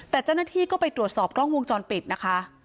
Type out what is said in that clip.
แต่เจ้าหน้าที่ก็ไปตรวจสอบกล้องวงจรปิดนะคะ